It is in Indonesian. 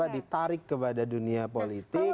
ditarik kepada dunia politik